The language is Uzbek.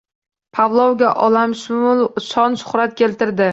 Pavlovga olamshumul shon-shuhrat keltirdi